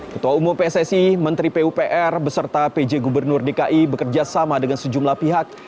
ketua umum pssi menteri pupr beserta pj gubernur dki bekerja sama dengan sejumlah pihak